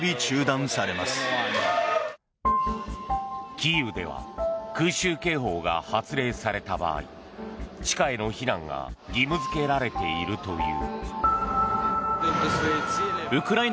キーウでは空襲警報が発令された場合地下への避難が義務付けられているという。